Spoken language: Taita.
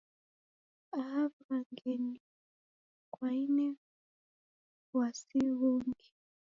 Aho w'ughangenyi kwaine w'wasi ghungi ?